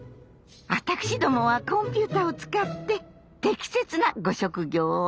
☎私どもはコンピューターを使って適切なご職業をお探しします。